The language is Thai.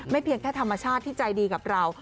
เพียงแค่ธรรมชาติที่ใจดีกับเรา